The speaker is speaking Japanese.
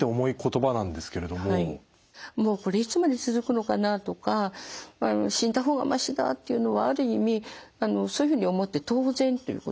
もう「これいつまで続くのかな？」とか「死んだ方がましだ」っていうのはある意味そういうふうに思って当然ということがあります。